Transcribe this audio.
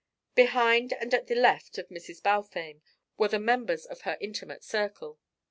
Behind and at the left of Mrs. Balfame were the members of her intimate circle.